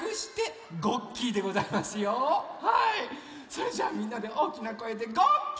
それじゃあみんなでおおきなこえでごっき！